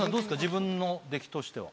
自分の出来としては。